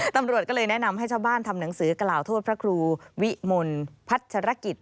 ตำรวจก็เลยแนะนำให้ชาวบ้านทำหนังสือกล่าวโทษพระครูวิมลพัชรกิจ